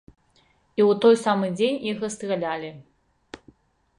І ў той самы дзень іх расстралялі.